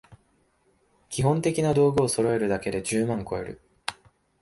基本的な道具をそろえるだけで十万こえる